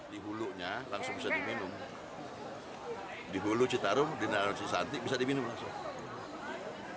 di hulunya langsung bisa diminum di hulu citarum di daerah cisanti bisa diminum langsung